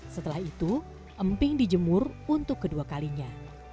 setelah itu emping dijemur untuk kedua kalinya